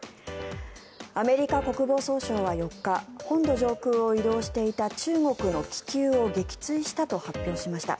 アメリカ国防総省は４日本土上空を移動していた中国の気球を撃墜したと発表しました。